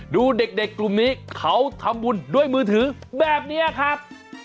ดูเด็กกลุ่มนี้เขาทำบุญด้วยมือถือแบบนี้ครับ